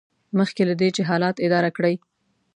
مخکې له دې چې حالات اداره کړئ.